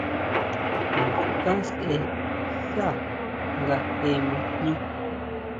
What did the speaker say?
Naská sʼe sá nga je ma jñú.